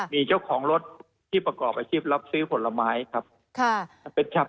มีเจ้าของรถที่ประกอบอาชีพรับซื้อผลไม้ครับค่ะ